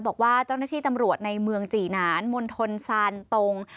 บอกว่าเจ้าหน้าที่ตำรวจในเมืองจีหนานมณฑลซานตรง